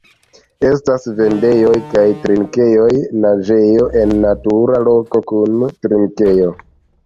Estas vendejoj kaj trinkejoj, naĝejo en natura loko kun trinkejo.